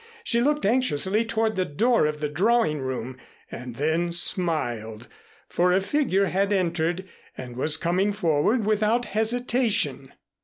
She looked anxiously toward the door of the drawing room and then smiled, for a figure had entered and was coming forward without hesitation.